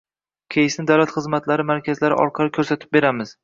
keysni davlat xizmatlari markazlari orqali ko‘rsatib beramiz.